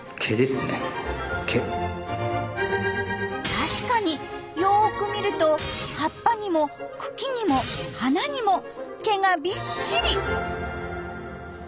確かによく見ると葉っぱにも茎にも花にも毛がびっしり！